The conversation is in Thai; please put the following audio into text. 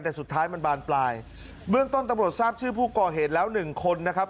แต่สุดท้ายมันบานปลายเบื้องต้นตำรวจทราบชื่อผู้ก่อเหตุแล้วหนึ่งคนนะครับ